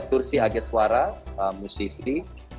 tursi ageswara musisi